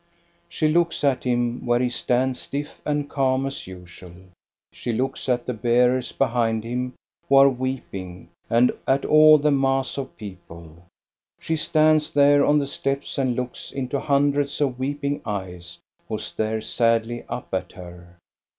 " She looks at him, where he stands stiff and calm as usual. She looks at the bearers behind him, who are weeping, and at all that mass of people. She stands there on the steps and looks into hundreds of weeping eyes, who stare sadly up at her.